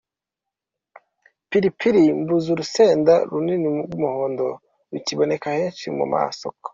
Pilipili-mbuzi” : Urusenda runini rw’umuhondo rukiboneka henshi mu masoko.